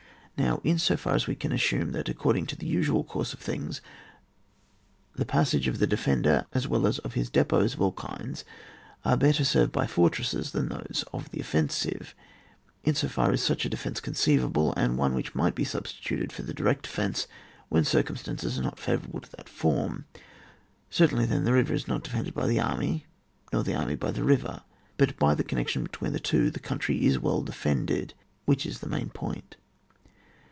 Now, in so far as we can assume that, according to the usual course of things, the passage of the defender, as well as of his depots of all kinds, are better secured by fortresses than those of the offensive, in so far is such a defence conceivable, and one which might be substituted for the direct defence when circumstances are not favourable to that form. Certainly then the river is not defended by the army, nor the army by the river, but by the connection between the two the country is defended, which is the main point.